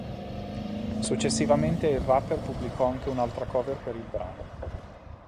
Successivamente il rapper pubblicò anche un'altra cover per il brano.